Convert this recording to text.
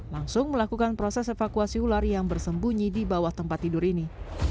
langsung melakukan proses evakuasi ular yang bersembunyi di bawah tempat tidur ini